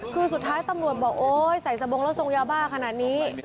คือสุดท้ายตำรวจบอกโอ๊ยใส่สะบงแล้วทรงยาบ้าขนาดนี้